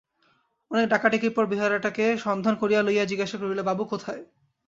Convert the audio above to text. অনেক ডাকাডাকির পর বেহারাটাকে সন্ধান করিয়া লইয়া জিজ্ঞাসা করিল, বাবু কোথায়?